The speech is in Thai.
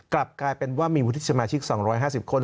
กลับกลายเป็นว่ามีวุฒิสมาชิก๒๕๐คน